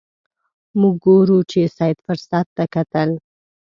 موږ ګورو چې سید فرصت ته کتل.